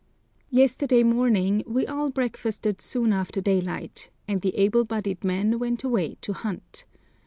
Yesterday morning we all breakfasted soon after daylight, and the able bodied men went away to hunt.